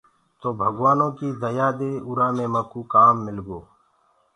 تو ڀگوآنو ڪيٚ ديا دي اُرا مي مڪوٚ ڪام مِل گو۔